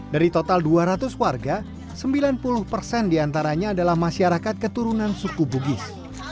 dari total dua ratus warga sembilan puluh persen diantaranya adalah masyarakat keturunan suku bugis